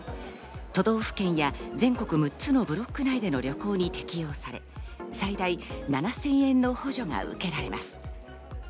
都道府県や全国６つのブロック内での旅行に適用され、最大７０００円の補助が受けられます。